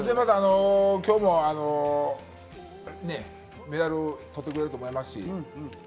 今日もメダルをとってくれると思いますし。